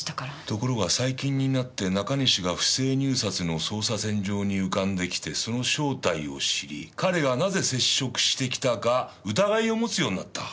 ところが最近になって中西が不正入札の捜査線上に浮かんできてその正体を知り彼がなぜ接触してきたか疑いを持つようになった。